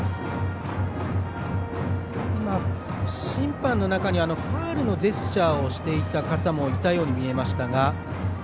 審判の中にはファウルのジェスチャーをしていた方もいたように見えましたが。